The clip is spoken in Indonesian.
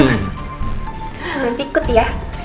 berhenti ikut ya